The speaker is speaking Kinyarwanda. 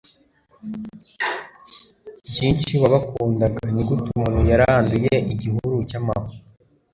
byinshi wabakundaga, nigute umuntu yaranduye igihuru cyamahwa